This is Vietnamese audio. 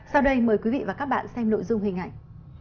sau đây mời quý vị và các bạn xem nội dung hình ảnh